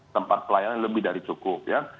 tempat pelayanan lebih dari cukup ya